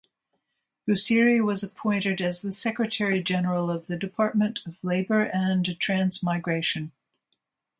Busiri was appointed as the Secretary General of the Department of Labor and Transmigration.